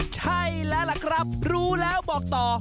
ใช่แล้วล่ะครับรู้แล้วบอกต่อ